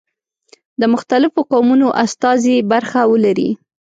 د مختلفو قومونو استازي برخه ولري.